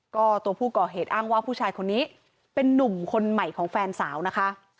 ก็ตัวผู้ก่อเหตุอ้างว่าผู้ชายคนนี้เป็นนุ่มคนใหม่ของแฟนสาวนะคะ